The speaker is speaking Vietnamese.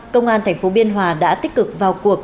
công an thành phố biên hòa đã tích cực vào cuộc